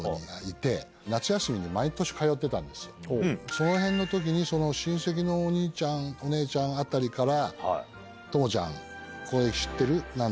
その辺の時に親戚のお兄さんお姉ちゃんあたりから。